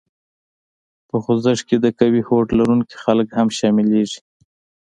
په خوځښت کې د قوي هوډ لرونکي خلک هم شامليږي.